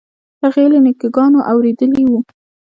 هغې له نیکه ګانو اورېدلي وو.